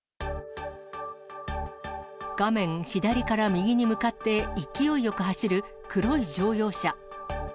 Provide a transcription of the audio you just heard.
画面左から右に向かって、勢いよく走る黒い乗用車。